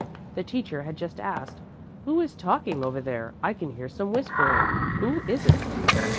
The teacher had just asked: 'Who is talking over there? I can hear some whispering. Who is it?'